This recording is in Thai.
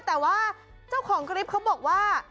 แต่ว่าเจ้าของคลิปเขาบอกว่า